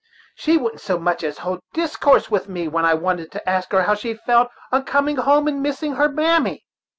She wouldn't so much as hold discourse with me when I wanted to ask her how she felt on coming home and missing her mammy."